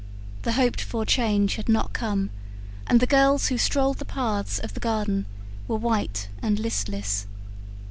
The hoped for change had not come, and the girls who strolled the paths of the garden were white and listless.